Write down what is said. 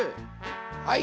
はい。